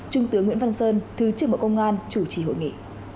trung tướng nguyễn văn sơn thứ trưởng bộ công an chủ trì hội nghị